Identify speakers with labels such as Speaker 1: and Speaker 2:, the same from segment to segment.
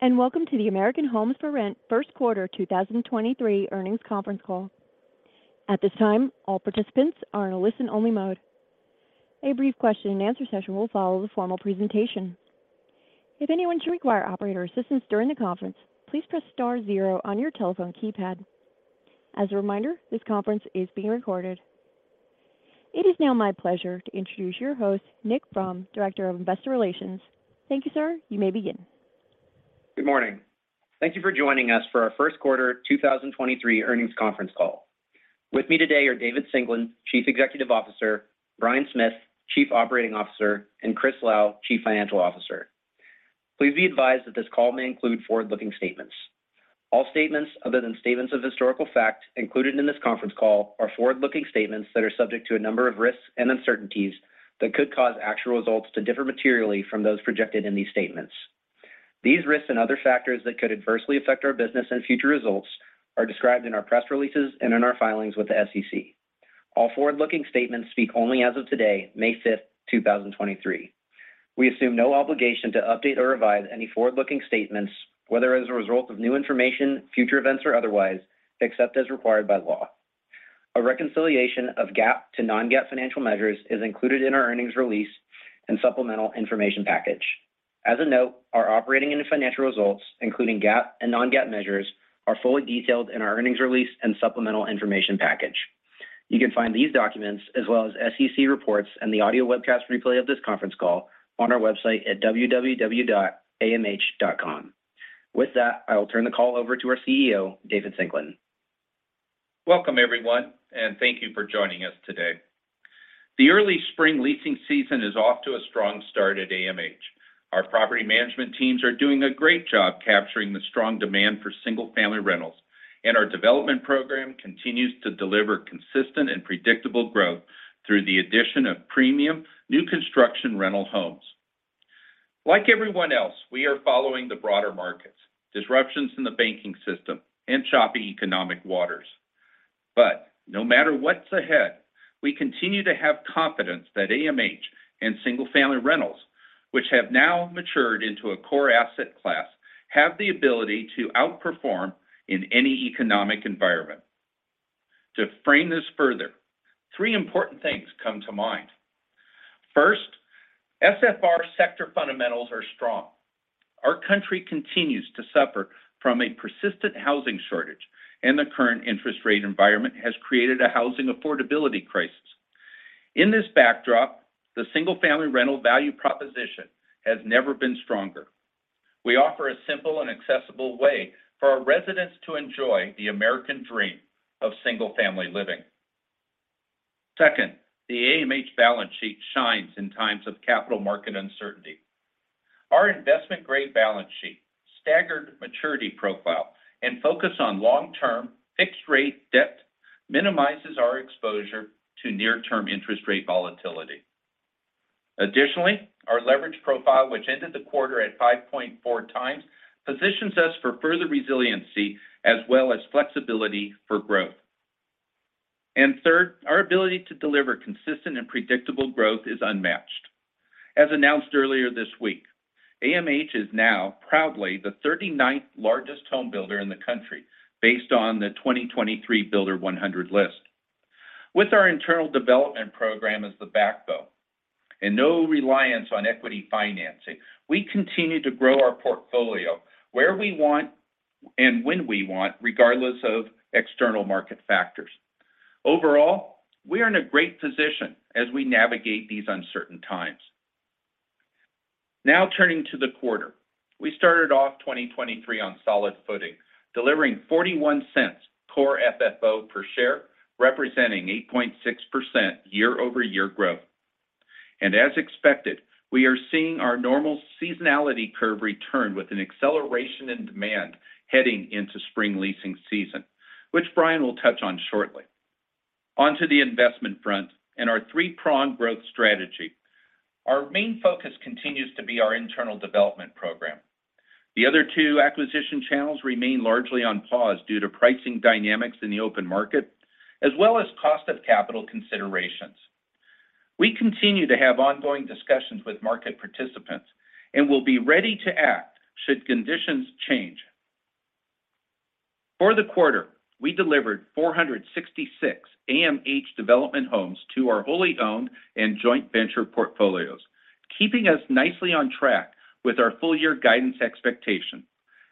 Speaker 1: Greetings. Welcome to the American Homes 4 Rent First Quarter 2023 Earnings Conference Call. At this time, all participants are in a listen-only mode. A brief question-and-answer session will follow the formal presentation. If anyone should require operator assistance during the conference, please press star 0 on your telephone keypad. As a reminder, this conference is being recorded. It is now my pleasure to introduce your host, Nick Fromm, Director of Investor Relations. Thank you, sir. You may begin.
Speaker 2: Good morning. Thank you for joining us for our 1st quarter 2023 earnings conference call. With me today are David Singelyn, Chief Executive Officer, Bryan Smith, Chief Operating Officer, and Chris Lau, Chief Financial Officer. Please be advised that this call may include forward-looking statements. All statements other than statements of historical fact included in this conference call are forward-looking statements that are subject to a number of risks and uncertainties that could cause actual results to differ materially from those projected in these statements. These risks and other factors that could adversely affect our business and future results are described in our press releases and in our filings with the SEC. All forward-looking statements speak only as of today, May 5th, 2023. We assume no obligation to update or revise any forward-looking statements, whether as a result of new information, future events, or otherwise, except as required by law. A reconciliation of GAAP to Non-GAAP financial measures is included in our earnings release and supplemental information package. As a note, our operating and financial results, including GAAP and Non-GAAP measures, are fully detailed in our earnings release and supplemental information package. You can find these documents as well as SEC reports and the audio webcast replay of this conference call on our website at www.amh.com. With that, I will turn the call over to our CEO, David Singelyn.
Speaker 3: Welcome, everyone, and thank you for joining us today. The early spring leasing season is off to a strong start at AMH. Our property management teams are doing a great job capturing the strong demand for single-family rentals, and our development program continues to deliver consistent and predictable growth through the addition of premium new construction rental homes. Like everyone else, we are following the broader markets, disruptions in the banking system, and choppy economic waters. No matter what's ahead, we continue to have confidence that AMH and single-family rentals, which have now matured into a core asset class, have the ability to outperform in any economic environment. To frame this further, three important things come to mind. First, SFR sector fundamentals are strong. Our country continues to suffer from a persistent housing shortage, and the current interest rate environment has created a housing affordability crisis. In this backdrop, the single-family rental value proposition has never been stronger. We offer a simple and accessible way for our residents to enjoy the American dream of single-family living. Second, the AMH balance sheet shines in times of capital market uncertainty. Our investment-grade balance sheet, staggered maturity profile, and focus on long-term fixed-rate debt minimizes our exposure to near-term interest rate volatility. Additionally, our leverage profile, which ended the quarter at 5.4 times, positions us for further resiliency as well as flexibility for growth. Third, our ability to deliver consistent and predictable growth is unmatched. As announced earlier this week, AMH is now proudly the 39th largest home builder in the country based on the 2023 Builder 100 list. With our internal development program as the backbone and no reliance on equity financing, we continue to grow our portfolio where we want and when we want, regardless of external market factors. Overall, we are in a great position as we navigate these uncertain times. Now turning to the quarter. We started off 2023 on solid footing, delivering $0.41 Core FFO per share, representing 8.6% year-over-year growth. As expected, we are seeing our normal seasonality curve return with an acceleration in demand heading into spring leasing season, which Bryan will touch on shortly. On to the investment front and our three-pronged growth strategy. Our main focus continues to be our internal development program. The other two acquisition channels remain largely on pause due to pricing dynamics in the open market, as well as cost of capital considerations. We continue to have ongoing discussions with market participants and will be ready to act should conditions change. For the quarter, we delivered 466 AMH development homes to our wholly owned and joint venture portfolios, keeping us nicely on track with our full year guidance expectation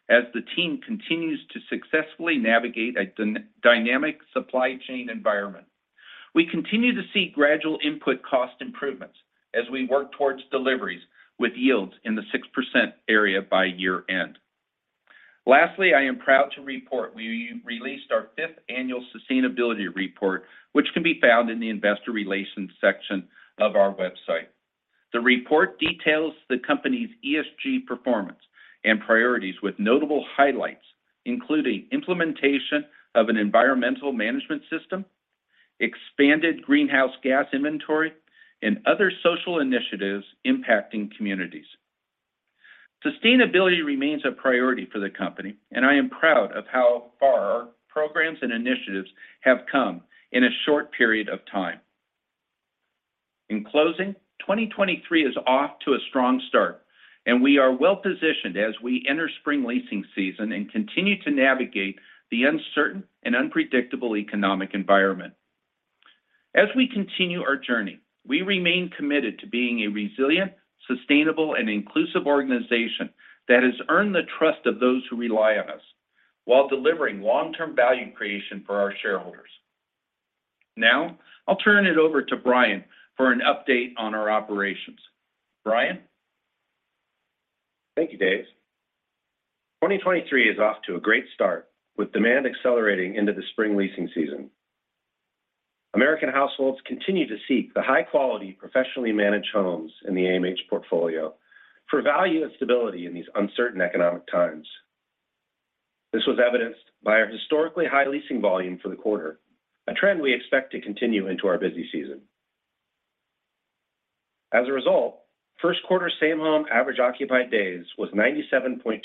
Speaker 3: as the team continues to successfully navigate a dynamic supply chain environment. We continue to see gradual input cost improvements as we work towards deliveries with yields in the 6% area by year-end. I am proud to report we released our fifth annual sustainability report, which can be found in the investor relations section of our website. The report details the company's ESG performance and priorities, with notable highlights including implementation of an environmental management system, expanded greenhouse gas inventory, and other social initiatives impacting communities. Sustainability remains a priority for the company. I am proud of how far our programs and initiatives have come in a short period of time. In closing, 2023 is off to a strong start, and we are well positioned as we enter spring leasing season and continue to navigate the uncertain and unpredictable economic environment. As we continue our journey, we remain committed to being a resilient, sustainable, and inclusive organization that has earned the trust of those who rely on us while delivering long-term value creation for our shareholders. Now, I'll turn it over to Bryan for an update on our operations. Bryan?
Speaker 4: Thank you, Dave. 2023 is off to a great start with demand accelerating into the spring leasing season. American households continue to seek the high-quality, professionally managed homes in the AMH portfolio for value and stability in these uncertain economic times. This was evidenced by our historically high leasing volume for the quarter, a trend we expect to continue into our busy season. As a result, first quarter Same-Home average occupied days was 97.2%,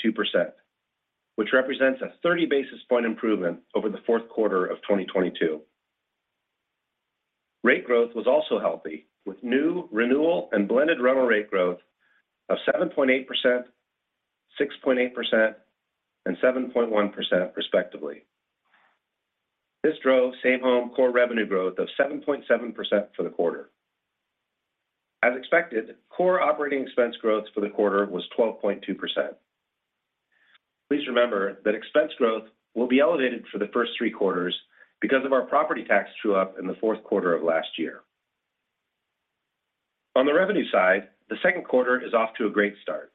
Speaker 4: which represents a 30 basis point improvement over the fourth quarter of 2022. Rate growth was also healthy, with new, renewal, and blended rental rate growth of 7.8%, 6.8%, and 7.1% respectively. This drove Same-Home Core revenue growth of 7.7% for the quarter. As expected, Core operating expense growth for the quarter was 12.2%. Please remember that expense growth will be elevated for the first three quarters because of our property tax true-up in the fourth quarter of last year. On the revenue side, the second quarter is off to a great start.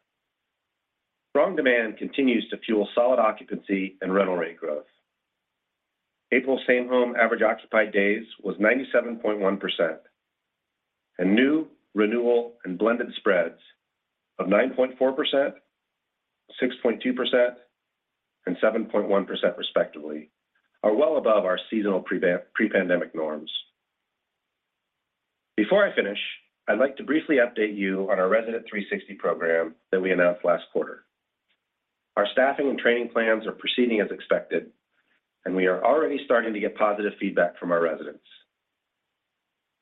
Speaker 4: Strong demand continues to fuel solid occupancy and rental rate growth. April Same-Home average occupied days was 97.1%, and new, renewal, and blended spreads of 9.4%, 6.2%, and 7.1% respectively, are well above our seasonal pre-pandemic norms. Before I finish, I'd like to briefly update you on our Resident 360 program that we announced last quarter. Our staffing and training plans are proceeding as expected, and we are already starting to get positive feedback from our residents.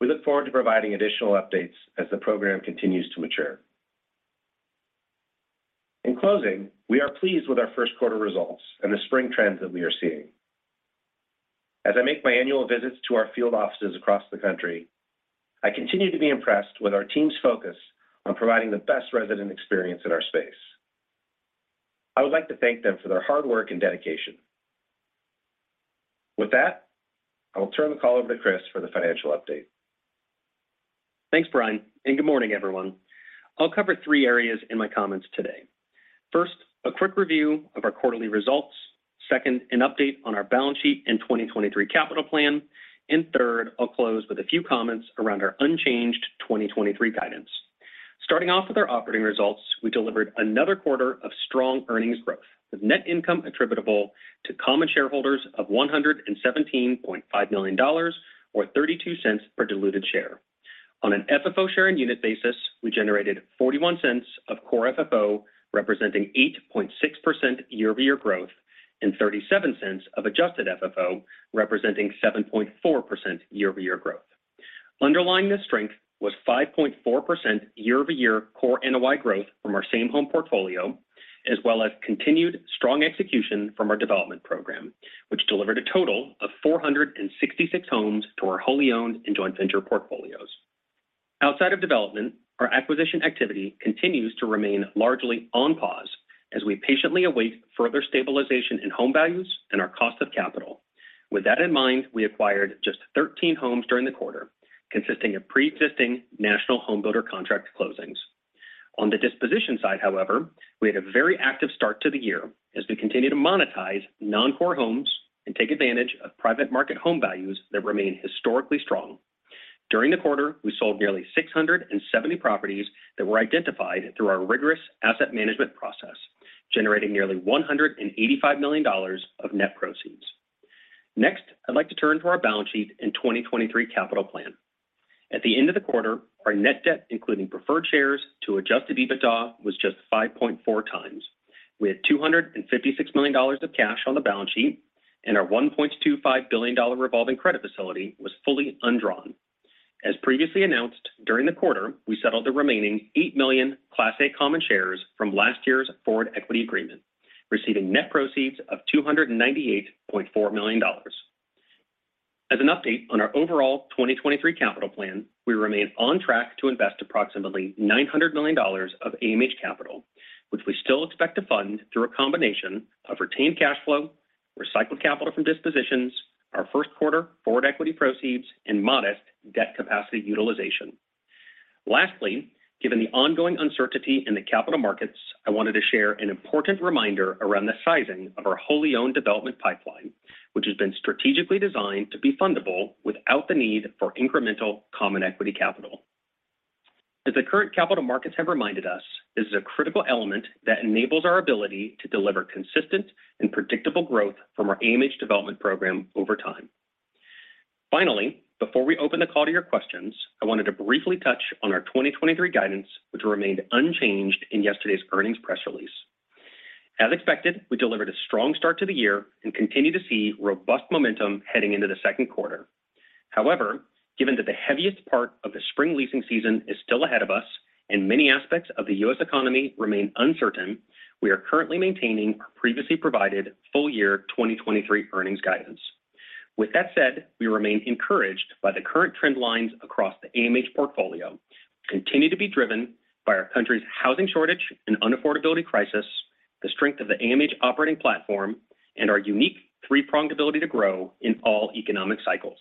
Speaker 4: We look forward to providing additional updates as the program continues to mature. In closing, we are pleased with our first quarter results and the spring trends that we are seeing. As I make my annual visits to our field offices across the country, I continue to be impressed with our team's focus on providing the best resident experience in our space. I would like to thank them for their hard work and dedication. With that, I will turn the call over to Chris for the financial update.
Speaker 5: Thanks, Bryan, good morning, everyone. I'll cover three areas in my comments today. First, a quick review of our quarterly results. Second, an update on our balance sheet and 2023 capital plan. Third, I'll close with a few comments around our unchanged 2023 guidance. Starting off with our operating results, we delivered another quarter of strong earnings growth, with net income attributable to common shareholders of $117.5 million or $0.32 per diluted share. On an FFO share and unit basis, we generated $0.41 of Core FFO, representing 8.6% year-over-year growth, and $0.37 of adjusted FFO, representing 7.4% year-over-year growth. Underlying this strength was 5.4% year-over-year Core NOI growth from our Same-Home portfolio, as well as continued strong execution from our development program, which delivered a total of 466 homes to our wholly owned and joint venture portfolios. Outside of development, our acquisition activity continues to remain largely on pause as we patiently await further stabilization in home values and our cost of capital. With that in mind, we acquired just 13 homes during the quarter, consisting of pre-existing national home builder contract closings. On the disposition side, however, we had a very active start to the year as we continue to monetize non-core homes and take advantage of private market home values that remain historically strong. During the quarter, we sold nearly 670 properties that were identified through our rigorous asset management process, generating nearly $185 million of net proceeds. I'd like to turn to our balance sheet and 2023 capital plan. At the end of the quarter, our net debt, including preferred shares to adjusted EBITDA, was just 5.4 times. We had $256 million of cash on the balance sheet, and our $1.25 billion revolving credit facility was fully undrawn. As previously announced, during the quarter, we settled the remaining 8 million Class A common shares from last year's forward equity agreement, receiving net proceeds of $298.4 million. As an update on our overall 2023 capital plan, we remain on track to invest approximately $900 million of AMH capital, which we still expect to fund through a combination of retained cash flow, recycled capital from dispositions, our first quarter forward equity proceeds, and modest debt capacity utilization. Lastly, given the ongoing uncertainty in the capital markets, I wanted to share an important reminder around the sizing of our wholly owned development pipeline, which has been strategically designed to be fundable without the need for incremental common equity capital. As the current capital markets have reminded us, this is a critical element that enables our ability to deliver consistent and predictable growth from our AMH development program over time. Finally, before we open the call to your questions, I wanted to briefly touch on our 2023 guidance, which remained unchanged in yesterday's earnings press release. As expected, we delivered a strong start to the year and continue to see robust momentum heading into the second quarter. However, given that the heaviest part of the spring leasing season is still ahead of us and many aspects of the U.S. economy remain uncertain, we are currently maintaining our previously provided full year 2023 earnings guidance. With that said, we remain encouraged by the current trend lines across the AMH portfolio, continue to be driven by our country's housing shortage and unaffordability crisis, the strength of the AMH operating platform, and our unique three-pronged ability to grow in all economic cycles.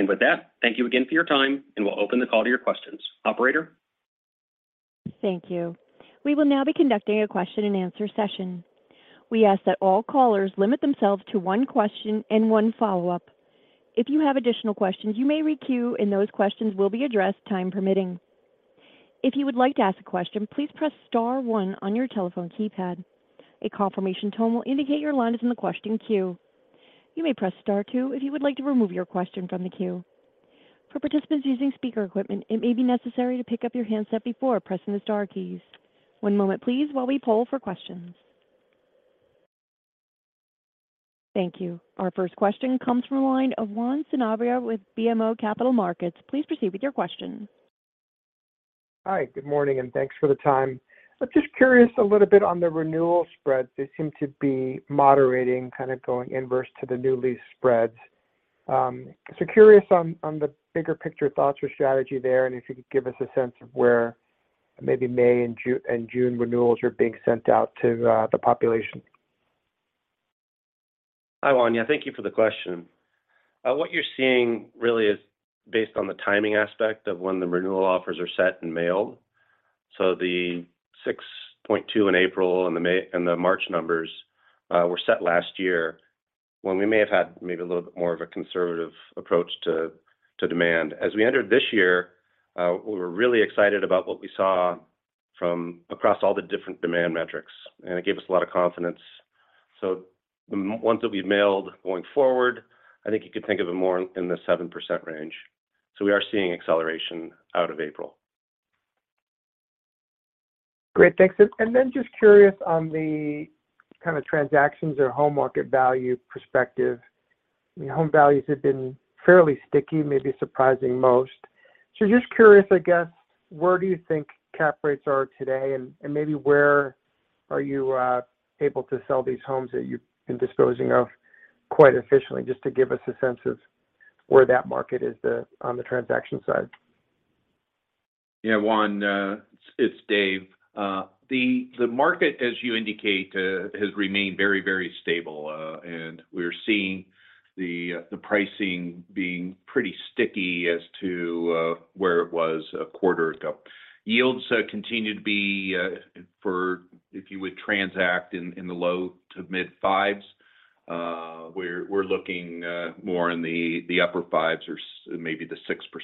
Speaker 5: With that, thank you again for your time, and we'll open the call to your questions. Operator?
Speaker 1: Thank you. We will now be conducting a question and answer session. We ask that all callers limit themselves to one question and one follow-up. If you have additional questions, you may re-queue, and those questions will be addressed, time permitting. If you would like to ask a question, please press star one on your telephone keypad. A confirmation tone will indicate your line is in the question queue. You may press star two if you would like to remove your question from the queue. For participants using speaker equipment, it may be necessary to pick up your handset before pressing the star keys. one moment please while we poll for questions. Thank you. Our first question comes from the line of Juan Sanabria with BMO Capital Markets. Please proceed with your question.
Speaker 6: Hi, good morning, and thanks for the time. Just curious a little bit on the renewal spreads. They seem to be moderating, kind of going inverse to the new lease spreads. Curious on the bigger picture thoughts or strategy there, and if you could give us a sense of where maybe May and June renewals are being sent out to the population.
Speaker 4: Hi, Juan. Yeah, thank you for the question. What you're seeing really is based on the timing aspect of when the renewal offers are set and mailed. The 6.2 in April and the March numbers were set last year when we may have had maybe a little bit more of a conservative approach to demand. As we entered this year, we were really excited about what we saw from across all the different demand metrics, and it gave us a lot of confidence. The ones that we mailed going forward, I think you could think of it more in the 7% range. We are seeing acceleration out of April.
Speaker 6: Great. Thanks. Just curious on the kind of transactions or home market value perspective. Home values have been fairly sticky, maybe surprising most. Just curious, I guess, where do you think cap rates are today? Maybe where are you able to sell these homes that you've been disposing of quite efficiently? Just to give us a sense of where that market is on the transaction side.
Speaker 3: Yeah, Juan, it's Dave. The market, as you indicate, has remained very, very stable. We're seeing the pricing being pretty sticky as to where it was a quarter ago. Yields continue to be for if you would transact in the low to mid-5s. We're looking more in the upper 5s or maybe the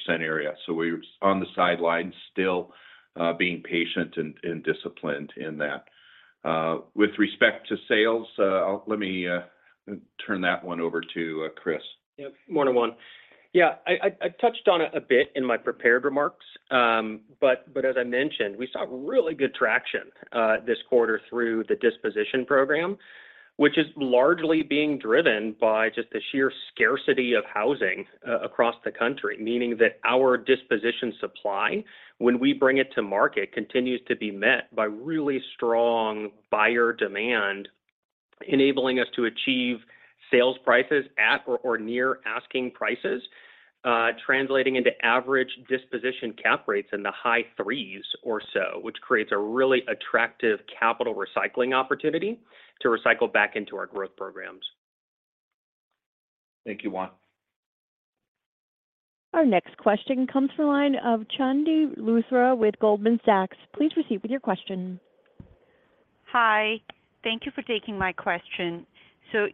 Speaker 3: 6% area. We're on the sidelines still, being patient and disciplined in that. With respect to sales, let me turn that one over to Chris.
Speaker 5: Yep. Morning, Juan. Yeah, I touched on it a bit in my prepared remarks, but as I mentioned, we saw really good traction this quarter through the disposition program, which is largely being driven by just the sheer scarcity of housing across the country. Meaning that our disposition supply, when we bring it to market, continues to be met by really strong buyer demand, enabling us to achieve sales prices at or near asking prices, translating into average disposition cap rates in the high three or so, which creates a really attractive capital recycling opportunity to recycle back into our growth programs.
Speaker 3: Thank you, Juan.
Speaker 1: Our next question comes from the line of Chandni Luthra with Goldman Sachs. Please proceed with your question.
Speaker 7: Hi. Thank you for taking my question.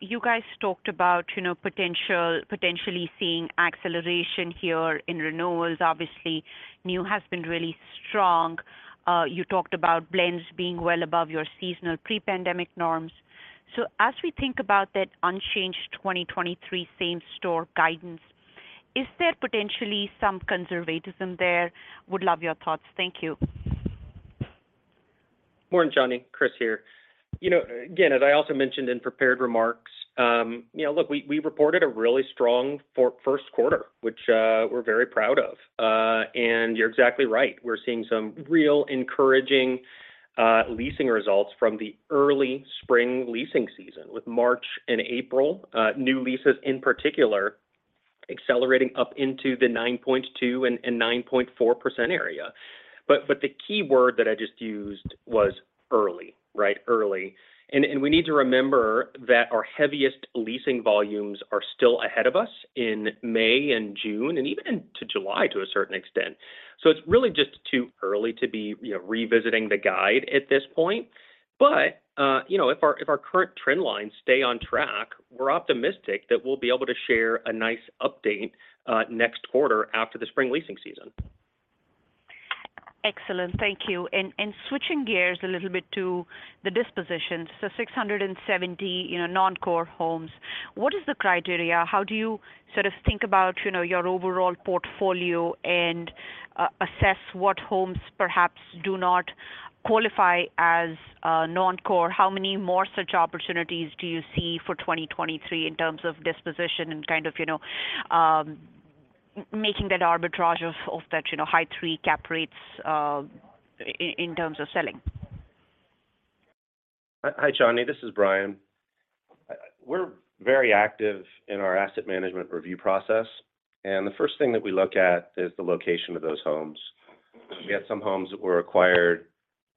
Speaker 7: You guys talked about, you know, potentially seeing acceleration here in renewals. Obviously, new has been really strong. You talked about blends being well above your seasonal pre-pandemic norms. As we think about that unchanged 2023 Same-Home guidance, is there potentially some conservatism there? Would love your thoughts. Thank you.
Speaker 5: Morning, Chandni. Chris here. You know, again, as I also mentioned in prepared remarks, you know, look, we reported a really strong first quarter, which we're very proud of. You're exactly right. We're seeing some real encouraging leasing results from the early spring leasing season with March and April new leases in particular accelerating up into the 9.2 and 9.4% area. The key word that I just used was early, right? Early. We need to remember that our heaviest leasing volumes are still ahead of us in May and June and even into July to a certain extent. It's really just too early to be, you know, revisiting the guide at this point. You know, if our, if our current trend lines stay on track, we're optimistic that we'll be able to share a nice update, next quarter after the spring leasing season.
Speaker 7: Excellent. Thank you. Switching gears a little bit to the dispositions. 670, you know, non-core homes. What is the criteria? How do you sort of think about, you know, your overall portfolio and assess what homes perhaps do not qualify as non-core. How many more such opportunities do you see for 2023 in terms of disposition and kind of, you know, making that arbitrage of that, you know, high three cap rates in terms of selling?
Speaker 4: Hi, Chandni. This is Bryan. We're very active in our asset management review process. The first thing that we look at is the location of those homes. We had some homes that were acquired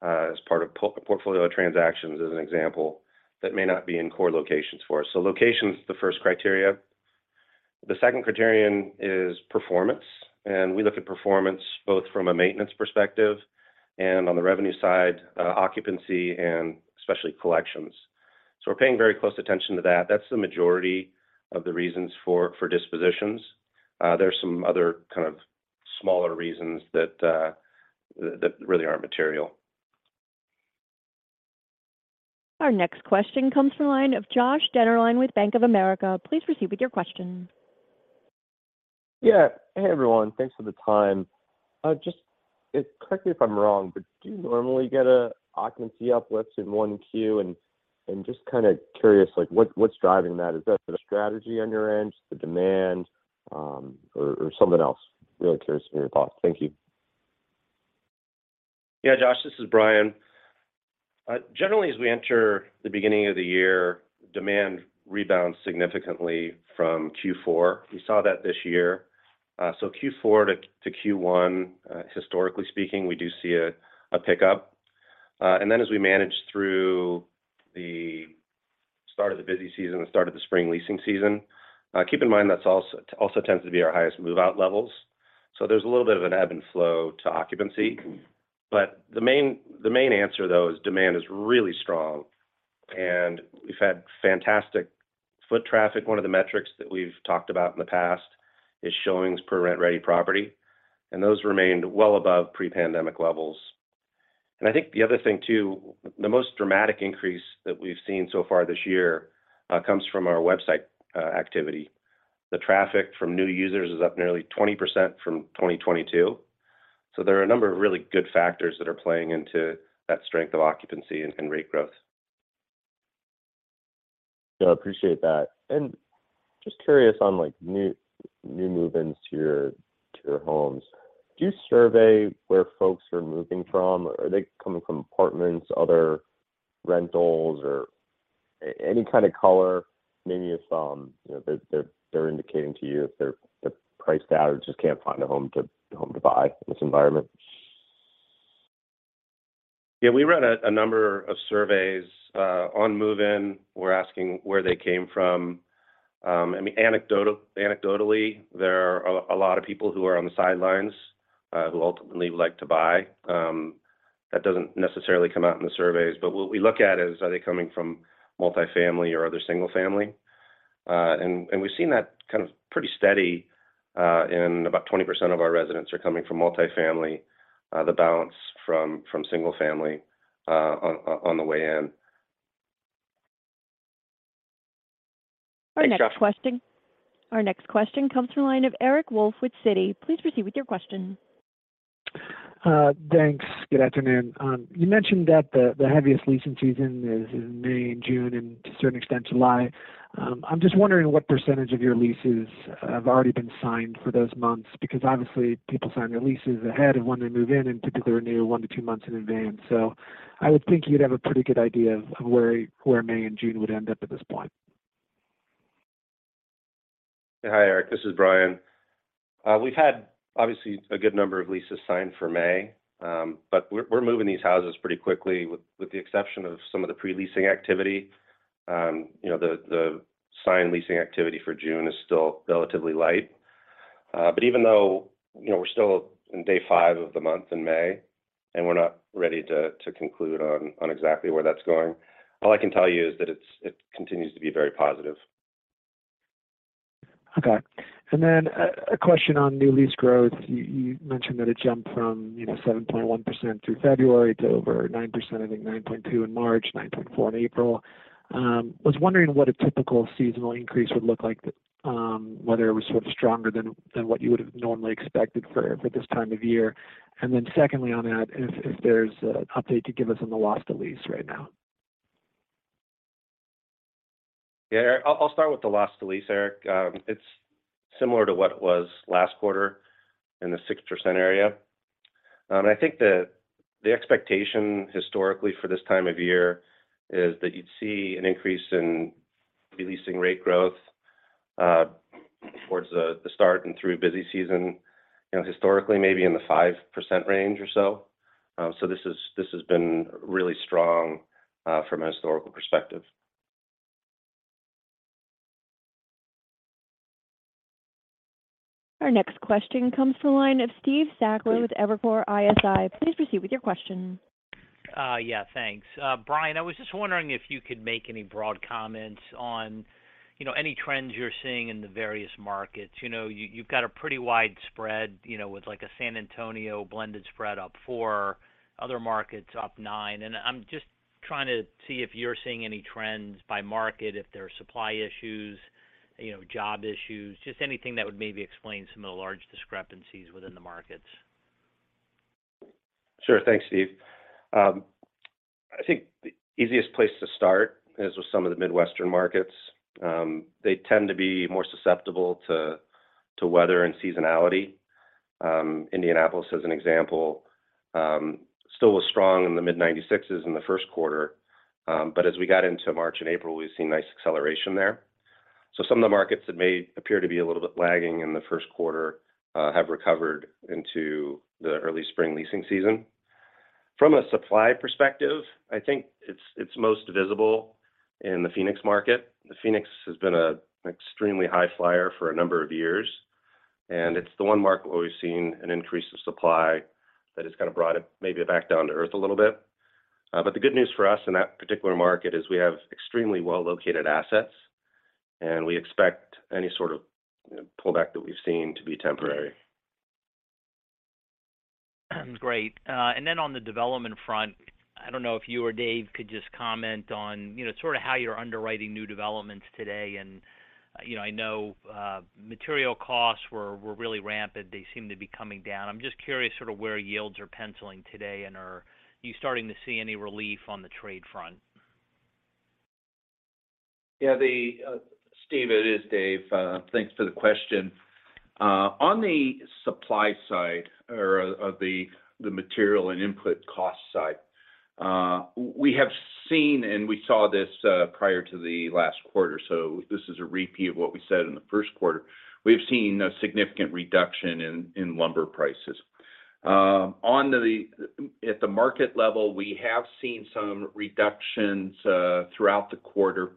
Speaker 4: as part of portfolio transactions, as an example, that may not be in core locations for us. Location's the first criteria. The second criterion is performance. We look at performance both from a maintenance perspective and on the revenue side, occupancy and especially collections. We're paying very close attention to that. That's the majority of the reasons for dispositions. There are some other kind of smaller reasons that really aren't material.
Speaker 1: Our next question comes from the line of Josh Dennerlein with Bank of America. Please proceed with your question.
Speaker 8: Yeah. Hey, everyone. Thanks for the time. Just correct me if I'm wrong, do you normally get a occupancy uplift in 1Q? Just kinda curious, like, what's driving that? Is that a strategy on your end, the demand, or something else? Really curious to hear your thoughts. Thank you.
Speaker 4: Josh, this is Bryan. Generally as we enter the beginning of the year, demand rebounds significantly from Q4. We saw that this year. Q4 to Q1, historically speaking, we do see a pickup. As we manage through the start of the busy season, the start of the spring leasing season, keep in mind that's also tends to be our highest move-out levels. There's a little bit of an ebb and flow to occupancy. The main answer though is demand is really strong, and we've had fantastic foot traffic. One of the metrics that we've talked about in the past is showings per rent-ready property, and those remained well above pre-pandemic levels. I think the other thing too, the most dramatic increase that we've seen so far this year, comes from our website, activity. The traffic from new users is up nearly 20% from 2022. There are a number of really good factors that are playing into that strength of occupancy and rate growth.
Speaker 8: Yeah, appreciate that. Just curious on, like, new move-ins to your homes. Do you survey where folks are moving from? Are they coming from apartments, other rentals or any kind of color? Maybe if, you know, they're indicating to you if they're priced out or just can't find a home to buy in this environment.
Speaker 4: We ran a number of surveys on move-in. We're asking where they came from. I mean, anecdotally, there are a lot of people who are on the sidelines who ultimately would like to buy. That doesn't necessarily come out in the surveys, but what we look at is, are they coming from multifamily or other single family? We've seen that kind of pretty steady in about 20% of our residents are coming from multifamily, the balance from single family on the way in.
Speaker 1: Our next question-
Speaker 3: Thanks, Josh.
Speaker 1: Our next question comes from the line of Eric Wolfe with Citi. Please proceed with your question.
Speaker 9: Thanks. Good afternoon. You mentioned that the heaviest leasing season is in May and June and to a certain extent July. I'm just wondering what percentage of your leases have already been signed for those months, because obviously people sign their leases ahead of when they move in, and typically they renew one to two months in advance. I would think you'd have a pretty good idea of where May and June would end up at this point.
Speaker 4: Hi, Eric. This is Bryan. We've had obviously a good number of leases signed for May. We're moving these houses pretty quickly with the exception of some of the pre-leasing activity. You know, the signed leasing activity for June is still relatively light. Even though, you know, we're still in day five of the month in May, and we're not ready to conclude on exactly where that's going, all I can tell you is that it continues to be very positive.
Speaker 9: Okay. A question on new lease growth. You mentioned that it jumped from, you know, 7.1% through February to over 9%, I think 9.2% in March, 9.4% in April. Was wondering what a typical seasonal increase would look like, whether it was sort of stronger than what you would've normally expected for this time of year. Secondly on that if there's an update to give us on the loss to lease right now?
Speaker 4: I'll start with the loss to lease, Eric. It's similar to what it was last quarter in the 6% area. I think the expectation historically for this time of year is that you'd see an increase in re-leasing rate growth towards the start and through busy season, you know, historically maybe in the 5% range or so. So this has been really strong from a historical perspective.
Speaker 1: Our next question comes to the line of Steve Sakwa with Evercore ISI. Please proceed with your question.
Speaker 10: Yeah, thanks. Bryan, I was just wondering if you could make any broad comments on, you know, any trends you're seeing in the various markets? You know, you've got a pretty wide spread, you know, with like a San Antonio blended spread up 4%, other markets up 9%. I'm just trying to see if you're seeing any trends by market, if there are supply issues, you know, job issues, just anything that would maybe explain some of the large discrepancies within the markets.
Speaker 4: Sure. Thanks, Steve. I think the easiest place to start is with some of the Midwestern markets. They tend to be more susceptible to weather and seasonality. Indianapolis, as an example, still was strong in the mid-96s in the first quarter, as we got into March and April, we've seen nice acceleration there. Some of the markets that may appear to be a little bit lagging in the first quarter, have recovered into the early spring leasing season. From a supply perspective, I think it's most visible in the Phoenix market. The Phoenix has been a extremely high flyer for a number of years, it's the one market where we've seen an increase of supply that has kind of brought it maybe back down to earth a little bit. The good news for us in that particular market is we have extremely well-located assets, and we expect any sort of pullback that we've seen to be temporary.
Speaker 11: Great. On the development front, I don't know if you or Dave could just comment on, you know, sort of how you're underwriting new developments today. You know, I know, material costs were really rampant. They seem to be coming down. I'm just curious sort of where yields are penciling today, and are you starting to see any relief on the trade front?
Speaker 3: Yeah. Steve, it is Dave. Thanks for the question. On the supply side or the material and input cost side, we have seen, and we saw this prior to the last quarter, this is a repeat of what we said in the first quarter. We've seen a significant reduction in lumber prices. At the market level, we have seen some reductions throughout the quarter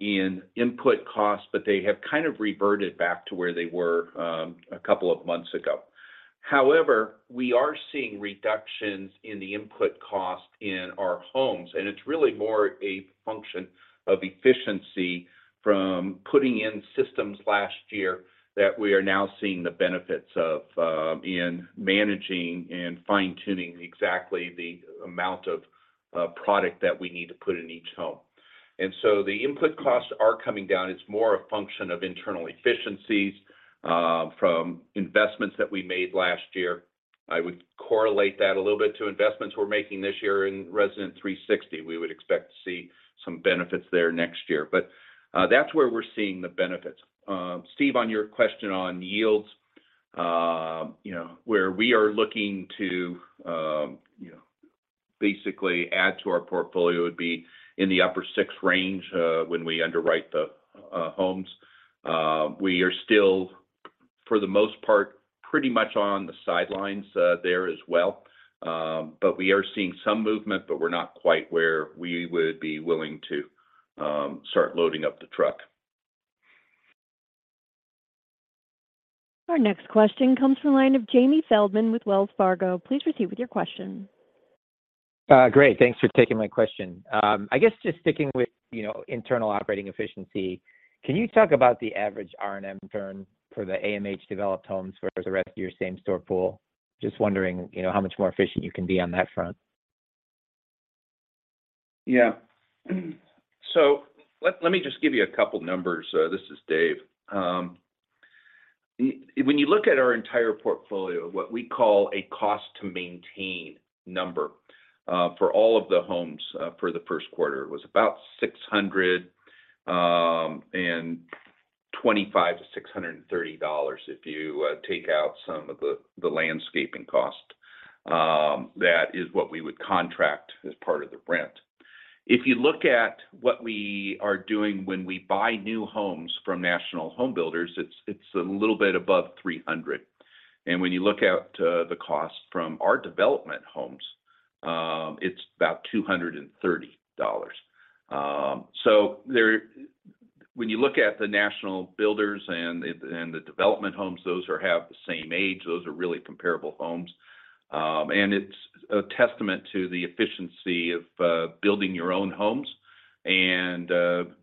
Speaker 3: in input costs, they have kind of reverted back to where they were a couple of months ago. We are seeing reductions in the input cost in our homes, and it's really more a function of efficiency from putting in systems last year that we are now seeing the benefits of in managing and fine-tuning exactly the amount of product that we need to put in each home. The input costs are coming down. It's more a function of internal efficiencies from investments that we made last year. I would correlate that a little bit to investments we're making this year in Resident 360. We would expect to see some benefits there next year. That's where we're seeing the benefits. Steve, on your question on yields, you know, where we are looking to, you know, basically add to our portfolio would be in the upper 6% range when we underwrite the homes. We are still, for the most part, pretty much on the sidelines, there as well. We are seeing some movement, but we're not quite where we would be willing to start loading up the truck.
Speaker 1: Our next question comes from the line of Jamie Feldman with Wells Fargo. Please proceed with your question.
Speaker 12: Great. Thanks for taking my question. I guess just sticking with, you know, internal operating efficiency, can you talk about the average R&M turn for the AMH-developed homes versus the rest of your same-store pool? Just wondering, you know, how much more efficient you can be on that front.
Speaker 3: Let me just give you a couple numbers. This is Dave. When you look at our entire portfolio, what we call a cost to maintain number, for all of the homes, for the first quarter was about $625-$630 if you take out some of the landscaping cost. That is what we would contract as part of the rent. If you look at what we are doing when we buy new homes from national home builders, it's a little bit above $300. When you look out to the cost from our development homes, it's about $230. When you look at the national builders and the development homes, those have the same age. Those are really comparable homes. It's a testament to the efficiency of building your own homes and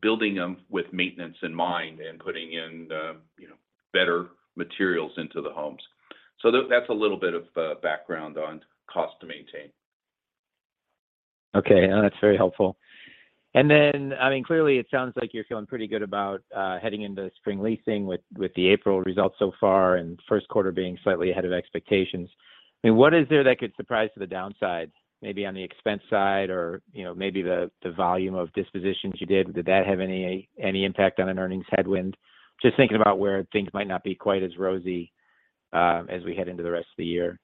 Speaker 3: building them with maintenance in mind and putting in, you know, better materials into the homes. That's a little bit of background on cost to maintain.
Speaker 12: Okay. No, that's very helpful. I mean, clearly it sounds like you're feeling pretty good about heading into spring leasing with the April results so far and first quarter being slightly ahead of expectations. I mean, what is there that could surprise to the downside, maybe on the expense side or, you know, maybe the volume of dispositions you did? Did that have any impact on an earnings headwind? Just thinking about where things might not be quite as rosy as we head into the rest of the year.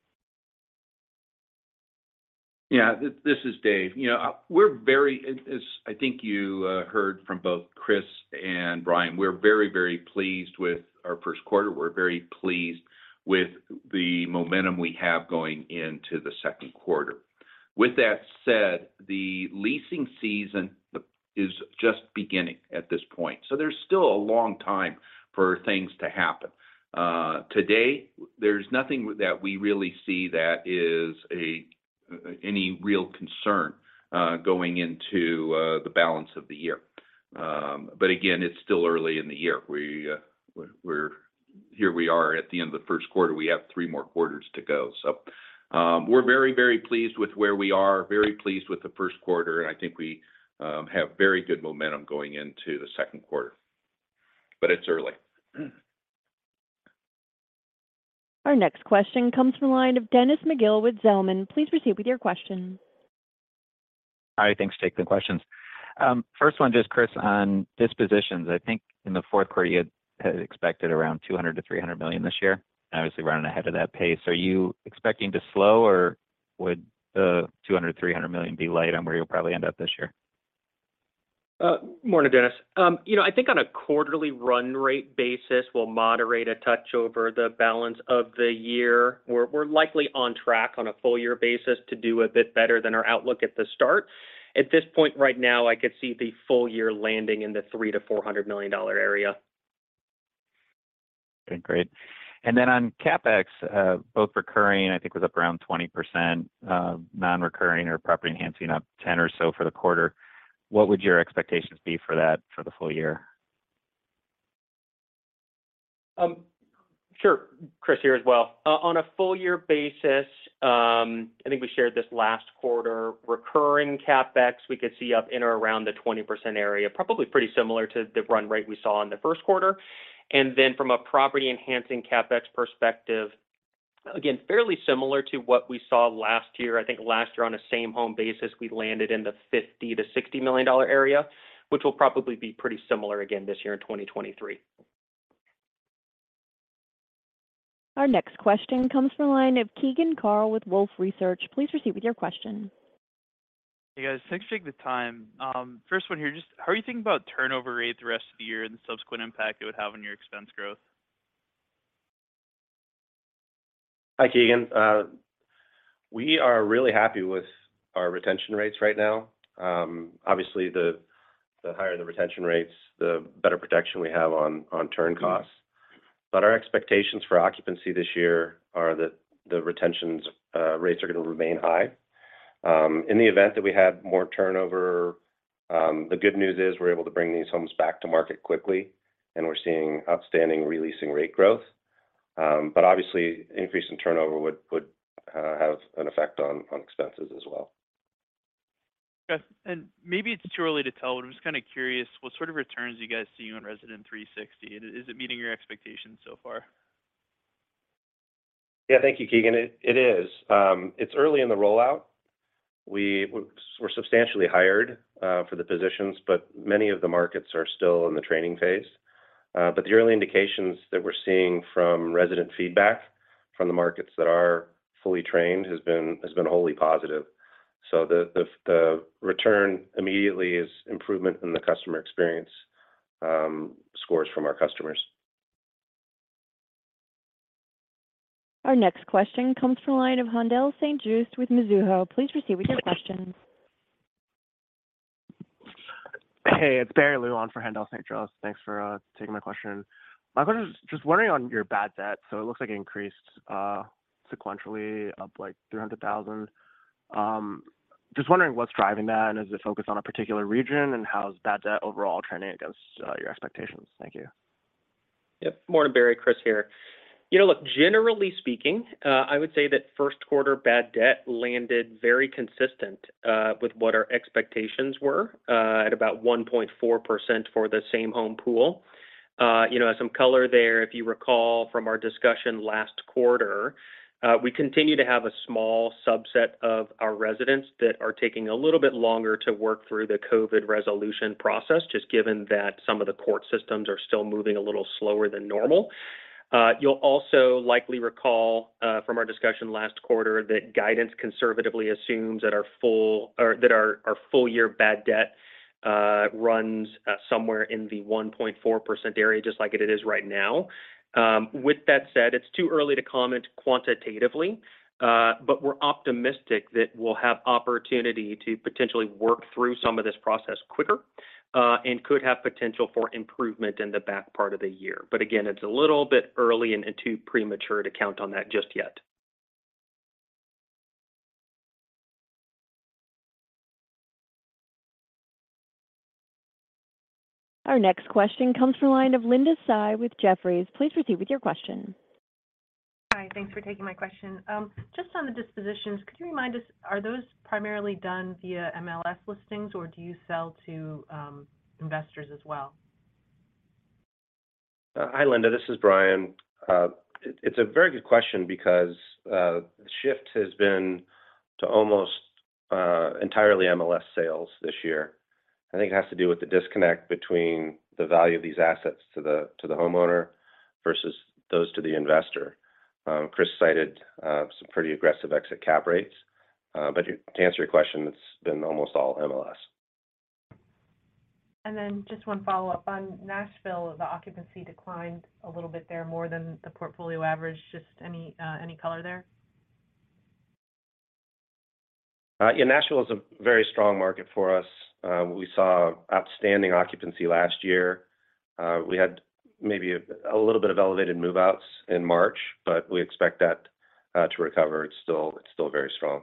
Speaker 3: Yeah. This is Dave. You know, as I think you heard from both Chris and Bryan, we're very pleased with our first quarter. We're very pleased with the momentum we have going into the second quarter. With that said, the leasing season is just beginning at this point, so there's still a long time for things to happen. Today, there's nothing that we really see that is any real concern going into the balance of the year. Again, it's still early in the year. We're Here we are at the end of the first quarter. We have three more quarters to go. We're very, very pleased with where we are, very pleased with the first quarter, and I think we have very good momentum going into the second quarter. It's early.
Speaker 1: Our next question comes from the line of Dennis McGill with Zelman. Please proceed with your question.
Speaker 13: Hi, thanks. Taking the questions. First one, just Chris, on dispositions. I think in the fourth quarter you had expected around $200 million-$300 million this year, and obviously running ahead of that pace. Are you expecting to slow, or would the $200 million, $300 million be light on where you'll probably end up this year?
Speaker 5: morning, Dennis. you know, I think on a quarterly run rate basis, we'll moderate a touch over the balance of the year. We're likely on track on a full year basis to do a bit better than our outlook at the start. At this point right now, I could see the full year landing in the $300 million-$400 million area.
Speaker 13: Okay, great. On CapEx, both recurring I think was up around 20%, non-recurring or property enhancing up 10 or so for the quarter. What would your expectations be for that for the full year?
Speaker 5: Sure. Chris here as well. On a full year basis, I think we shared this last quarter, recurring CapEx we could see up in or around the 20% area, probably pretty similar to the run rate we saw in the first quarter. From a property enhancing CapEx perspective, again, fairly similar to what we saw last year. I think last year on a Same-Home basis, we landed in the $50 million-$60 million area, which will probably be pretty similar again this year in 2023.
Speaker 1: Our next question comes from the line of Keegan Carl with Wolfe Research. Please proceed with your question.
Speaker 14: Hey, guys. Thanks for taking the time. First one here, just how are you thinking about turnover rate the rest of the year and the subsequent impact it would have on your expense growth?
Speaker 4: Hi, Keegan. We are really happy with our retention rates right now. Obviously the higher the retention rates, the better protection we have on turn costs. Our expectations for occupancy this year are that the retention rates are going to remain high. In the event that we have more turnover, the good news is we're able to bring these homes back to market quickly, and we're seeing outstanding re-leasing rate growth. Obviously increase in turnover would have an effect on expenses as well.
Speaker 14: Yeah. Maybe it's too early to tell, but I'm just kind of curious what sort of returns you guys see on Resident 360. Is it meeting your expectations so far?
Speaker 4: Thank you, Keegan. It is. It's early in the rollout. We're substantially hired for the positions, many of the markets are still in the training phase. The early indications that we're seeing from resident feedback from the markets that are fully trained has been wholly positive. The return immediately is improvement in the customer experience scores from our customers.
Speaker 1: Our next question comes from the line of Haendel St. Juste with Mizuho. Please proceed with your questions.
Speaker 15: Hey, it's Barry Luan for Haendel St. Juste. Thanks for taking my question. My question is just wondering on your bad debt. It looks like it increased sequentially up like $300,000. Just wondering what's driving that, and is it focused on a particular region, and how's bad debt overall trending against your expectations? Thank you.
Speaker 5: Yep. Morning, Barry Luan. Chris Lau here. You know, look, generally speaking, I would say that first quarter bad debt landed very consistent with what our expectations were, at about 1.4% for the Same-Home pool. You know, some color there, if you recall from our discussion last quarter, we continue to have a small subset of our residents that are taking a little bit longer to work through the COVID resolution process, just given that some of the court systems are still moving a little slower than normal. You'll also likely recall from our discussion last quarter that guidance conservatively assumes that our full year bad debt runs somewhere in the 1.4% area, just like it is right now. With that said, it's too early to comment quantitatively, but we're optimistic that we'll have opportunity to potentially work through some of this process quicker, and could have potential for improvement in the back part of the year. Again, it's a little bit early and too premature to count on that just yet.
Speaker 1: Our next question comes from the line of Linda Tsai with Jefferies. Please proceed with your question.
Speaker 16: Hi. Thanks for taking my question. Just on the dispositions, could you remind us, are those primarily done via MLS listings, or do you sell to investors as well?
Speaker 4: Hi, Linda. This is Bryan. It's a very good question because the shift has been to almost entirely MLS sales this year. I think it has to do with the disconnect between the value of these assets to the, to the homeowner versus those to the investor. Chris cited some pretty aggressive exit cap rates. To answer your question, it's been almost all MLS.
Speaker 16: Just one follow-up on Nashville, the occupancy declined a little bit there more than the portfolio average. Just any color there?
Speaker 4: Yeah, Nashville is a very strong market for us. We saw outstanding occupancy last year. We had maybe a little bit of elevated move-outs in March, but we expect that to recover. It's still very strong.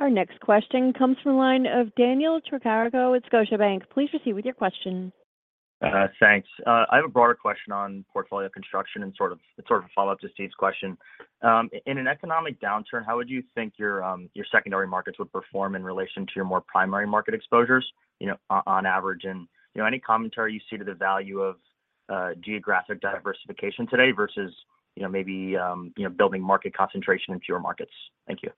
Speaker 1: Our next question comes from the line of Daniel Tricarico at Scotiabank. Please proceed with your question.
Speaker 17: Thanks. I have a broader question on portfolio construction and it's sort of a follow-up to Steve's question. In an economic downturn, how would you think your secondary markets would perform in relation to your more primary market exposures, you know, on average? You know, any commentary you see to the value of geographic diversification today versus, you know, maybe, you know, building market concentration in fewer markets. Thank you.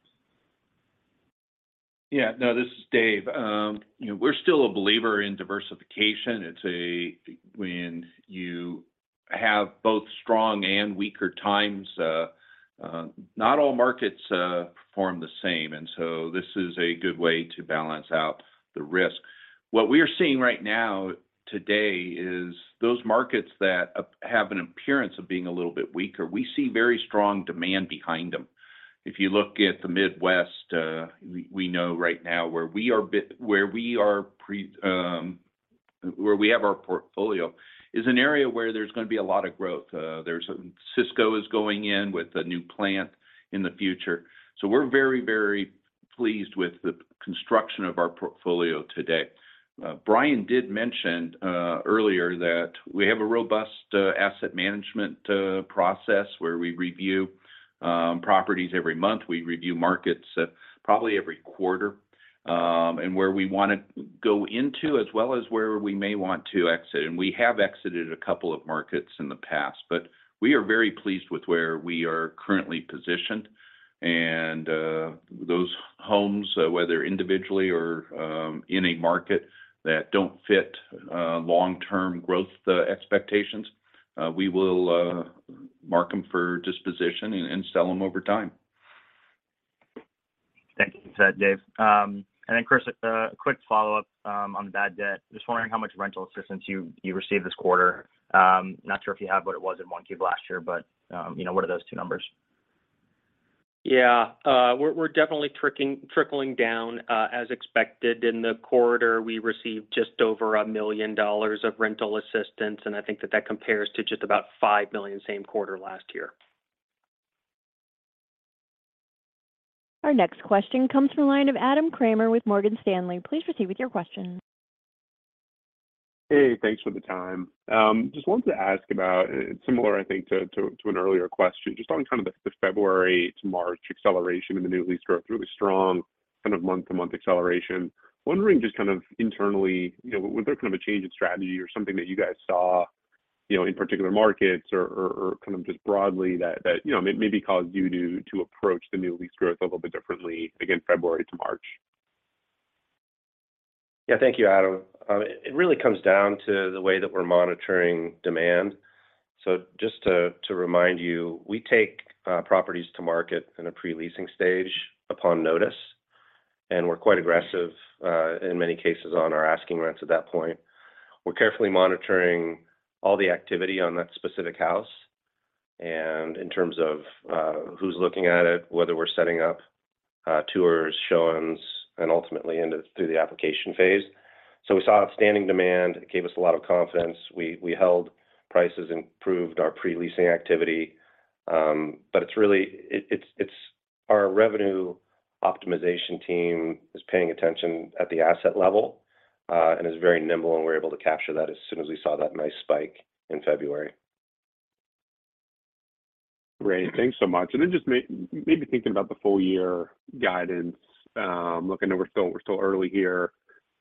Speaker 3: Yeah. No, this is Dave. you know, we're still a believer in diversification. When you have both strong and weaker times, not all markets perform the same, this is a good way to balance out the risk. What we are seeing right now today is those markets that have an appearance of being a little bit weaker, we see very strong demand behind them. If you look at the Midwest, we know right now where we have our portfolio is an area where there's gonna be a lot of growth. There's... Cisco is going in with a new plant in the future. We're very, very pleased with the construction of our portfolio today. Bryan did mention earlier that we have a robust asset management process where we review properties every month. We review markets at probably every quarter, and where we wanna go into as well as where we may want to exit. We have exited a couple of markets in the past, but we are very pleased with where we are currently positioned. Those homes, whether individually or in a market that don't fit long-term growth, the expectations, we will mark them for disposition and sell them over time.
Speaker 17: Thank you for that, Dave. Chris, a quick follow-up on the bad debt. Just wondering how much rental assistance you received this quarter. Not sure if you have what it was in 1Q last year, you know, what are those two numbers?
Speaker 5: Yeah. We're definitely trickling down as expected. In the quarter, we received just over $1 million of rental assistance. I think that that compares to just about $5 million same quarter last year.
Speaker 1: Our next question comes from the line of Adam Kramer with Morgan Stanley. Please proceed with your question.
Speaker 18: Hey, thanks for the time. Just wanted to ask about, it's similar, I think, to an earlier question, just on kind of the February to March acceleration in the new lease growth, really strong kind of month-to-month acceleration. Wondering just kind of internally, you know, was there kind of a change in strategy or something that you guys saw, you know, in particular markets or kind of just broadly that, you know, maybe caused you to approach the new lease growth a little bit differently again February to March?
Speaker 4: Thank you, Adam. It really comes down to the way that we're monitoring demand. Just to remind you, we take properties to market in a pre-leasing stage upon notice, and we're quite aggressive in many cases on our asking rents at that point. We're carefully monitoring all the activity on that specific house, and in terms of who's looking at it, whether we're setting up tours, showings, and ultimately into through the application phase. We saw outstanding demand. It gave us a lot of confidence. We held prices and improved our pre-leasing activity. It's really our revenue optimization team is paying attention at the asset level and is very nimble, and we're able to capture that as soon as we saw that nice spike in February.
Speaker 18: Great. Thanks so much. Just thinking about the full year guidance, look, I know we're still early here,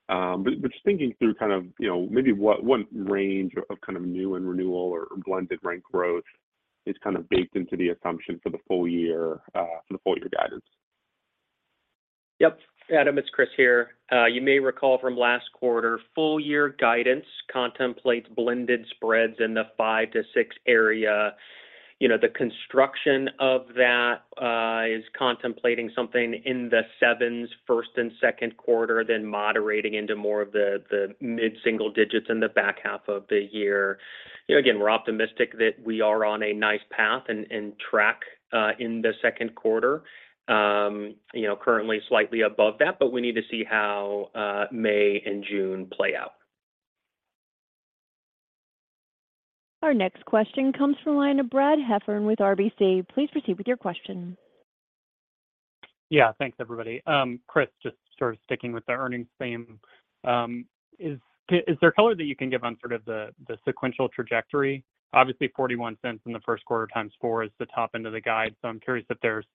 Speaker 18: but just thinking through kind of, you know, maybe what range of kind of new and renewal or blended rent growth is kind of baked into the assumption for the full year, for the full year guidance.
Speaker 5: Yep. Adam, it's Chris here. You may recall from last quarter, full year guidance contemplates blended spreads in the 5-6 area. You know, the construction of that is contemplating something in the 7s first and second quarter, then moderating into more of the mid-single digits in the back half of the year. You know, again, we're optimistic that we are on a nice path and track in the second quarter, you know, currently slightly above that, but we need to see how May and June play out.
Speaker 1: Our next question comes from the line of Brad Heffern with RBC. Please proceed with your question.
Speaker 19: Thanks, everybody. Chris, just sort of sticking with the earnings theme, is there color that you can give on sort of the sequential trajectory? Obviously, $0.41 in the first quarter times is the top end of the guide. I'm curious if there's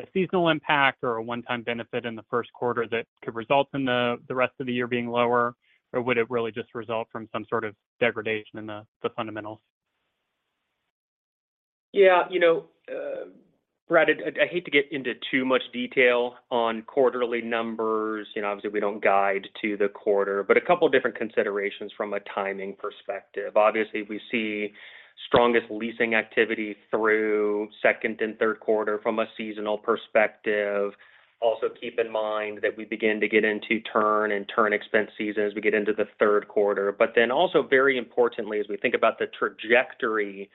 Speaker 19: a seasonal impact or a one-time benefit in the first quarter that could result in the rest of the year being lower, or would it really just result from some sort of degradation in the fundamentals?
Speaker 5: Yeah. You know, Brad, I hate to get into too much detail on quarterly numbers. You know, obviously, we don't guide to the quarter, but a couple different considerations from a timing perspective. Obviously, we see strongest leasing activity through second and third quarter from a seasonal perspective. Also, keep in mind that we begin to get into turn and turn expense season as we get into the third quarter. also, very importantly, as we think about the trajectory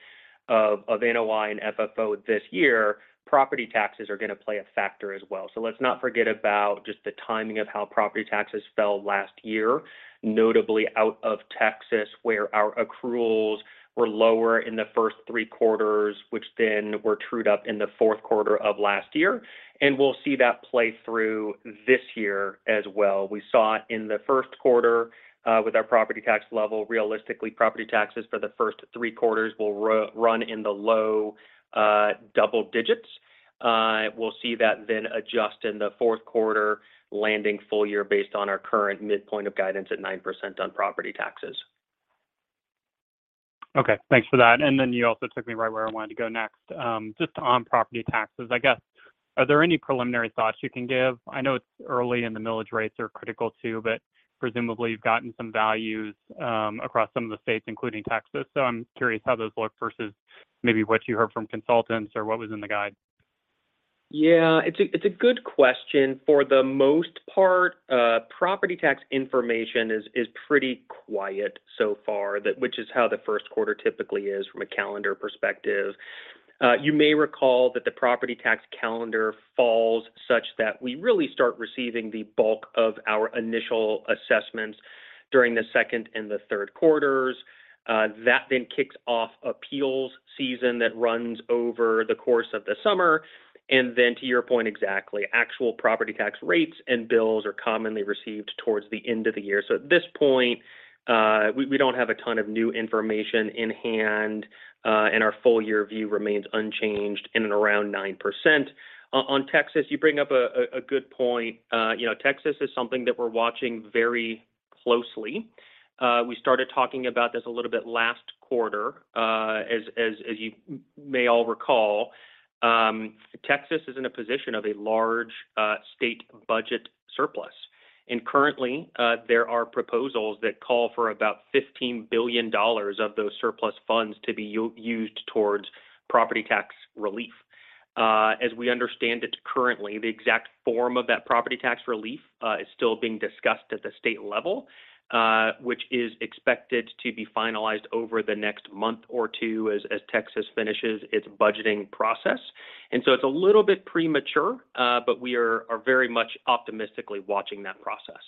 Speaker 5: of NOI and FFO this year, property taxes are gonna play a factor as well. let's not forget about just the timing of how property taxes fell last year, notably out of Texas, where our accruals were lower in the first three quarters, which then were trued up in the fourth quarter of last year. we'll see that play through this year as well. We saw it in the first quarter, with our property tax level. Realistically, property taxes for the first three quarters will run in the low, double digits. We'll see that then adjust in the fourth quarter, landing full year based on our current midpoint of guidance at 9% on property taxes.
Speaker 19: Okay. Thanks for that. You also took me right where I wanted to go next. Just on property taxes, I guess, are there any preliminary thoughts you can give? I know it's early, and the millage rates are critical too, but presumably you've gotten some values across some of the states, including Texas. I'm curious how those look versus maybe what you heard from consultants or what was in the guide.
Speaker 5: Yeah. It's a good question. For the most part, property tax information is pretty quiet so far, which is how the first quarter typically is from a calendar perspective. You may recall that the property tax calendar falls such that we really start receiving the bulk of our initial assessments during the second and the third quarters. That then kicks off appeals season that runs over the course of the summer. To your point exactly, actual property tax rates and bills are commonly received towards the end of the year. At this point, we don't have a ton of new information in hand, and our full year view remains unchanged in and around 9%. On Texas, you bring up a good point. You know, Texas is something that we're watching very closely. We started talking about this a little bit last quarter, as you may all recall. Texas is in a position of a large state budget surplus. Currently, there are proposals that call for about $15 billion of those surplus funds to be used towards property tax relief. As we understand it currently, the exact form of that property tax relief is still being discussed at the state level, which is expected to be finalized over the next month or two as Texas finishes its budgeting process. So it's a little bit premature, but we are very much optimistically watching that process.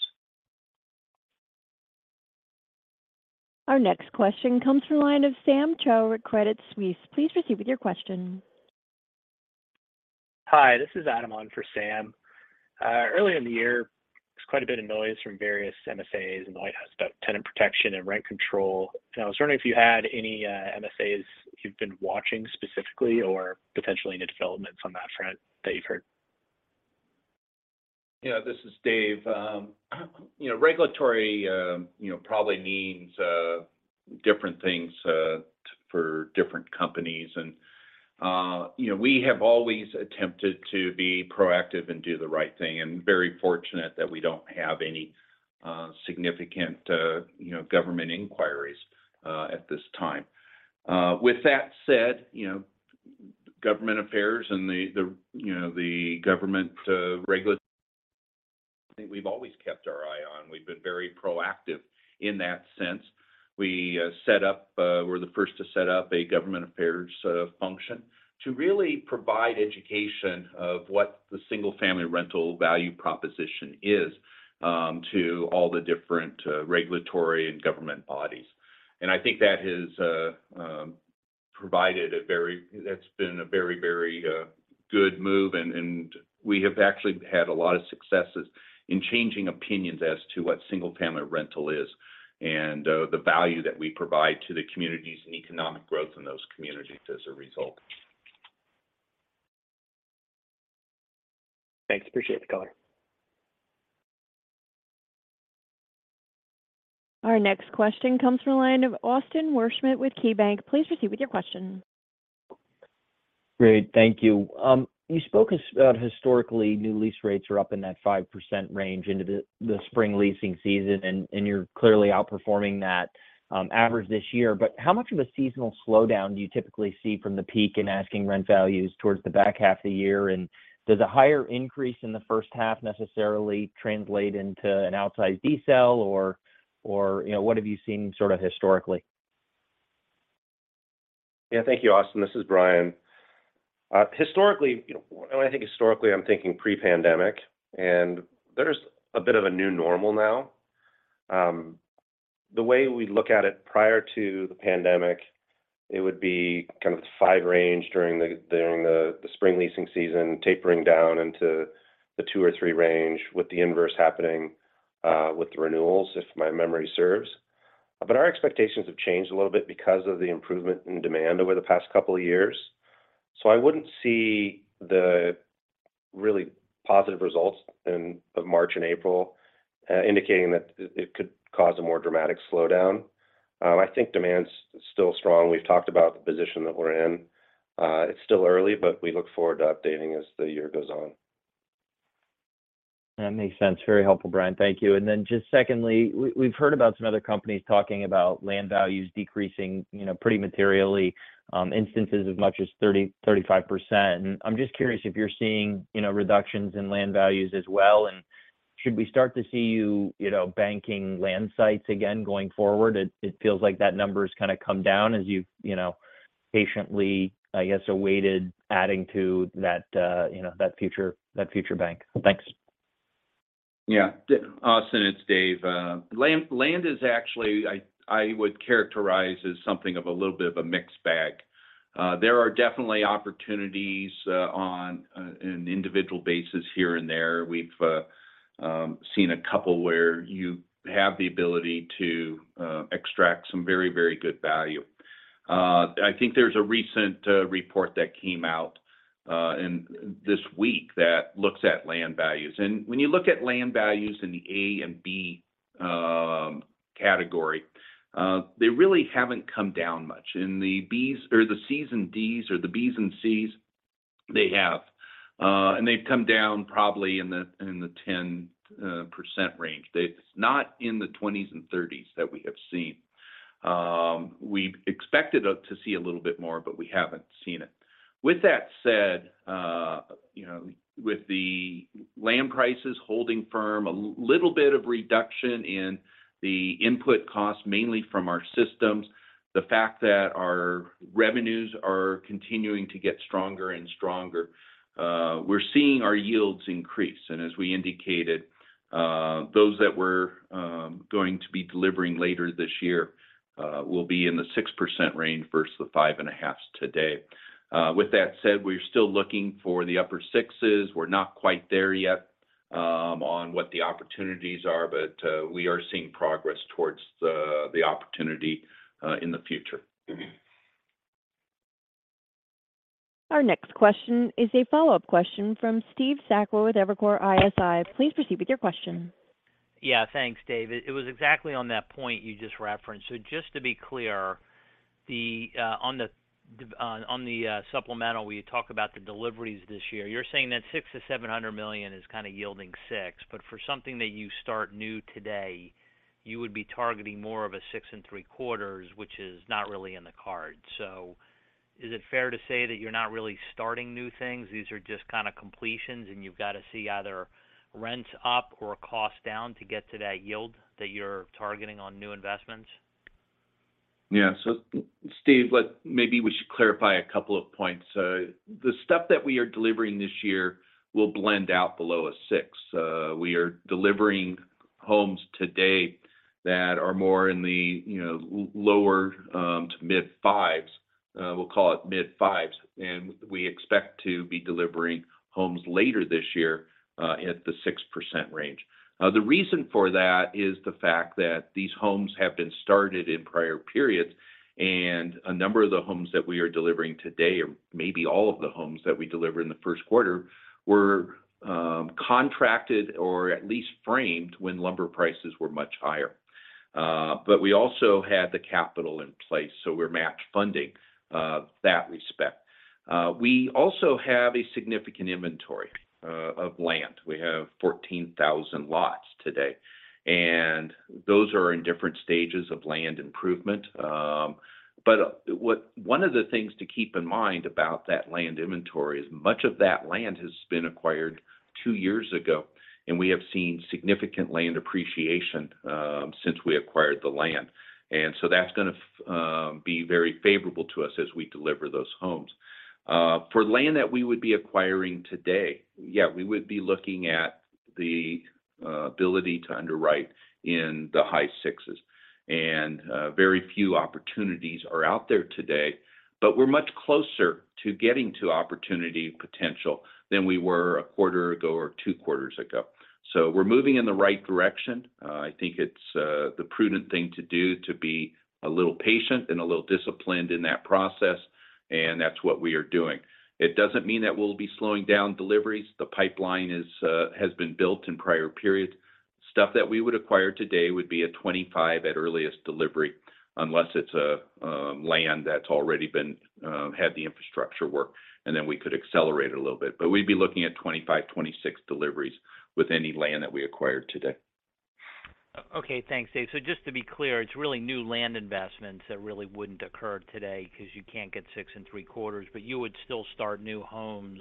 Speaker 1: Our next question comes from line of Sam Choe at Credit Suisse. Please proceed with your question.
Speaker 20: Hi, this is Adam on for Sam. Earlier in the year, there was quite a bit of noise from various MSAs and the White House about tenant protection and rent control. I was wondering if you had any MSAs you've been watching specifically or potentially any developments on that front that you've heard?
Speaker 3: Yeah, this is Dave. You know, regulatory, you know, probably means different things for different companies and, you know, we have always attempted to be proactive and do the right thing, and very fortunate that we don't have any significant, you know, government inquiries at this time. With that said, you know, government affairs and the, you know, the government regulatory, I think we've always kept our eye on. We've been very proactive in that sense. We set up, we're the first to set up a government affairs function to really provide education of what the single-family rental value proposition is to all the different regulatory and government bodies. That's been a very, very good move and we have actually had a lot of successes in changing opinions as to what single-family rental is and the value that we provide to the communities and economic growth in those communities as a result.
Speaker 21: Thanks. Appreciate the color.
Speaker 1: Our next question comes from the line of Austin Wurschmidt with KeyBanc. Please proceed with your question.
Speaker 22: Great. Thank you. you spoke as historically new lease rates are up in that 5% range into the spring leasing season, and you're clearly outperforming that average this year. How much of a seasonal slowdown do you typically see from the peak in asking rent values towards the back half of the year? Does a higher increase in the first half necessarily translate into an outsized decel or, you know, what have you seen sort of historically?
Speaker 4: Yeah. Thank you, Austin. This is Bryan. Historically, you know, when I think historically, I'm thinking pre-pandemic, and there's a bit of a new normal now. The way we look at it prior to the pandemic, it would be kind of the five range during the, during the spring leasing season tapering down into the two or three range with the inverse happening with the renewals, if my memory serves. Our expectations have changed a little bit because of the improvement in demand over the past couple of years. I wouldn't see the really positive results in, of March and April indicating that it could cause a more dramatic slowdown. I think demand's still strong. We've talked about the position that we're in. It's still early, but we look forward to updating as the year goes on.
Speaker 22: That makes sense. Very helpful, Bryan. Thank you. Just secondly, we've heard about some other companies talking about land values decreasing, you know, pretty materially, instances as much as 30%-35%. I'm just curious if you're seeing, you know, reductions in land values as well, and should we start to see you know, banking land sites again going forward? It feels like that number has kind of come down as you've, you know, patiently, I guess, awaited adding to that, you know, that future bank. Thanks.
Speaker 3: Yeah. Austin, it's Dave. Land is actually I would characterize as something of a little bit of a mixed bag. There are definitely opportunities on an individual basis here and there. We've seen a couple where you have the ability to extract some very, very good value. I think there's a recent report that came out this week that looks at land values. When you look at land values in the A and B category, they really haven't come down much. In the Bs or the Cs and Ds, or the Bs and Cs, they have. They've come down probably in the 10% range. It's not in the 20s and 30s that we have seen. We expected to see a little bit more, but we haven't seen it. With that said, you know, with the land prices holding firm, a little bit of reduction in the input costs, mainly from our systems, the fact that our revenues are continuing to get stronger and stronger, we're seeing our yields increase. As we indicated, those that we're going to be delivering later this year, will be in the 6% range versus the 5.5s today. With that said, we're still looking for the upper 6s. We're not quite there yet, on what the opportunities are, but we are seeing progress towards the opportunity in the future.
Speaker 1: Our next question is a follow-up question from Steve Sakwa with Evercore ISI. Please proceed with your question.
Speaker 10: Yeah, thanks, Dave. It was exactly on that point you just referenced. Just to be clear, the on the supplemental, where you talk about the deliveries this year, you're saying that $600 million-$700 million is kind of yielding 6%. For something that you start new today, you would be targeting more of a 6.75%, which is not really in the cards. Is it fair to say that you're not really starting new things? These are just kind of completions, and you've got to see either rent up or cost down to get to that yield that you're targeting on new investments?
Speaker 3: Yeah. Steve, maybe we should clarify a couple of points. The stuff that we are delivering this year will blend out below a 6%. We are delivering homes today that are more in the, you know, lower to mid-fives. We'll call it mid-fives. We expect to be delivering homes later this year at the 6% range. The reason for that is the fact that these homes have been started in prior periods, and a number of the homes that we are delivering today, or maybe all of the homes that we deliver in the first quarter, were contracted or at least framed when lumber prices were much higher. We also had the capital in place, so we're match funding that respect. We also have a significant inventory of land. We have 14,000 lots today, and those are in different stages of land improvement. One of the things to keep in mind about that land inventory is much of that land has been acquired two years ago. We have seen significant land appreciation since we acquired the land. That's gonna be very favorable to us as we deliver those homes. For land that we would be acquiring today, yeah, we would be looking at the ability to underwrite in the high sixes. Very few opportunities are out there today, but we're much closer to getting to opportunity potential than we were a quarter ago or two quarters ago. We're moving in the right direction. I think it's the prudent thing to do to be a little patient and a little disciplined in that process. That's what we are doing. It doesn't mean that we'll be slowing down deliveries. The pipeline is has been built in prior periods. Stuff that we would acquire today would be a 2025 at earliest delivery, unless it's a land that's already been had the infrastructure work, and then we could accelerate a little bit. We'd be looking at 2025, 2026 deliveries with any land that we acquire today.
Speaker 11: Okay. Thanks, Dave. Just to be clear, it's really new land investments that really wouldn't occur today because you can't get 6.75, but you would still start new homes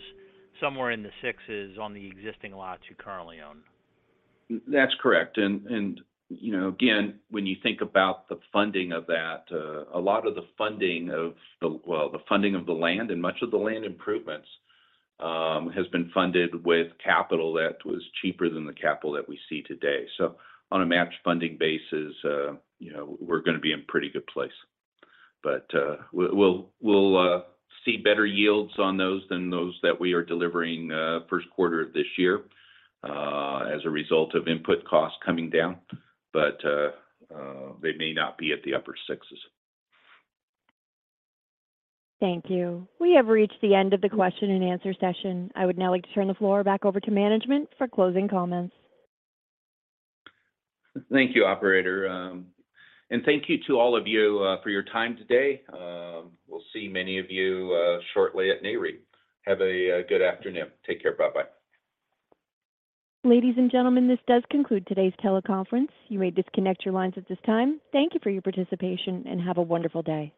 Speaker 11: somewhere in the sixes on the existing lots you currently own.
Speaker 3: That's correct. You know, again, when you think about the funding of that, a lot of the funding of the land and much of the land improvements, has been funded with capital that was cheaper than the capital that we see today. On a matched funding basis, you know, we're gonna be in pretty good place. We'll see better yields on those than those that we are delivering, first quarter of this year, as a result of input costs coming down. They may not be at the upper sixes.
Speaker 1: Thank you. We have reached the end of the question and answer session. I would now like to turn the floor back over to management for closing comments.
Speaker 3: Thank you, operator. Thank you to all of you for your time today. We'll see many of you shortly at Nareit. Have a good afternoon. Take care. Bye-bye.
Speaker 1: Ladies and gentlemen, this does conclude today's teleconference. You may disconnect your lines at this time. Thank you for your participation, and have a wonderful day.